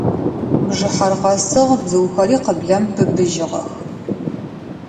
Бжыхьэр къэсыгъ, бзыухэри къыблэм быбыжьыгъэх.